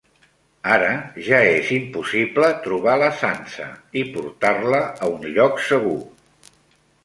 Ara ja és impossible trobar la Sansa i portar-la a un lloc segur.